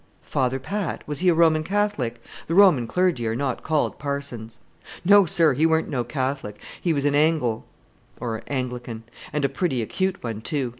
"Father Pat? Was he a Roman Catholic? The Roman clergy are not called 'parsons.'" "No, sir; he weren't no Catholic; he was an Angle (Anglican) and a pretty acute one, too.